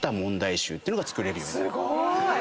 すごーい！